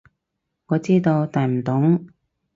我知道，但唔懂